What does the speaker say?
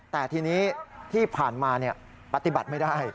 แต่ทีนี้ที่ผ่านมาปฏิบัติไม่ได้